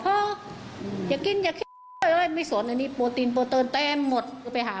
พ่ออย่ากินอย่าไม่สนอันนี้โปรตีนโปรตีนแต้นหมดไปหา